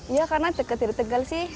iya karena dekat dari tegal sih